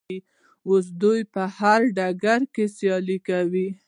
اوس دوی په هر ډګر کې سیالي کوي.